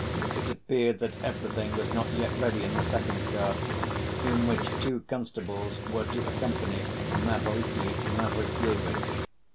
It appeared that everything was not yet ready in the second cart, in which two constables were to accompany Mavriky Mavrikyevitch.